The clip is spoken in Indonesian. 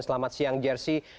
selamat siang jersi